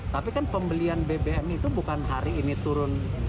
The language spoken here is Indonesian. tapi kan pembelian bbm itu bukan hari ini turun